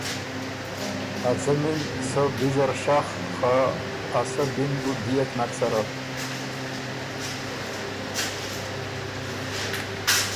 ا څمی ن سۀ بی زر شخ، خه ا سۀ بی ن بُو ديېک نک سَرَه،